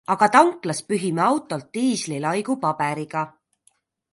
Aga tanklas pühime autolt diisli laigu paberiga.